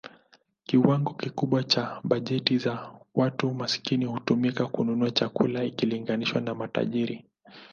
Kiwango kikubwa cha bajeti za watu maskini hutumika kununua chakula ikilinganishwa na matajiri.